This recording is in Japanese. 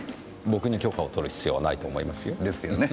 僕に許可を取る必要はないと思いますよ。ですよね。